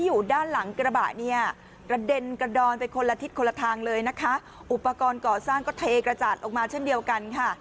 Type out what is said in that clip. อุปกรณ์ก่อสร้างก็เทกระจาดออกมาเช่นเดียวกันค่ะ